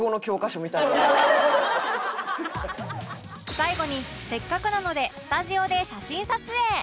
最後にせっかくなのでスタジオで写真撮影